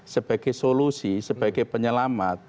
sebagai solusi sebagai penyelamat